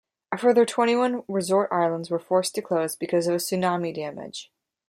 A further twenty-one resort islands were forced to close because of tsunami damage.